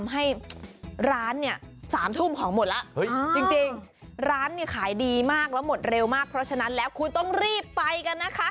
หมดเร็วมากเพราะฉะนั้นและคุณต้องรีบไปกันนะคะ